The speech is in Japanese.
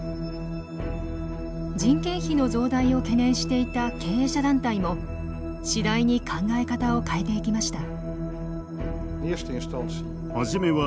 人件費の増大を懸念していた経営者団体も次第に考え方を変えていきました。